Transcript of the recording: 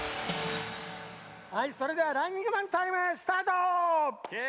はいそれではランニングマンタイムスタート！